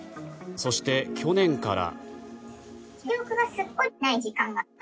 そして、去年から。